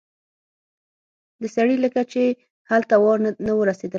د سړي لکه چې هلته وار نه و رسېدلی.